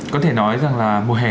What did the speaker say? có thể nói rằng là mùa hè